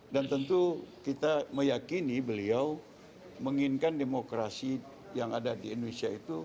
dan tentu kita meyakini beliau menginginkan demokrasi yang ada di indonesia itu